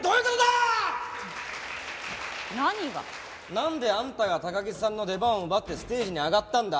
なんであんたが高木さんの出番を奪ってステージに上がったんだ？